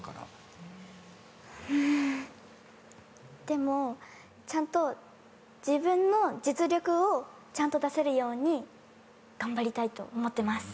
でもちゃんと自分の実力を出せるように頑張りたいと思ってます。